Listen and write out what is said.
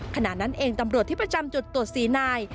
ขณะนั้นเองตำรวจที่ประจำจุดตรวจ๔นาย